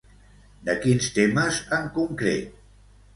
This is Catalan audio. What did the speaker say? De quins temes en concret?